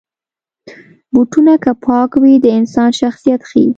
بوټونه که پاک وي، د انسان شخصیت ښيي.